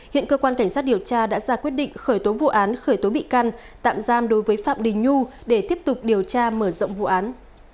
hiện cơ quan cảnh sát điều tra đã ra quyết định khởi tố vụ án khởi tố bị can tạm giam đối với phạm đình nhu để tiếp tục điều tra mở rộng vụ án